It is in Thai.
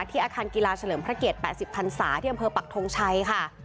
ที่อาคารกีฬาเฉลิมพระเกียรติ๘๐๐๐๐สาที่บปักทรงชัยค่ะ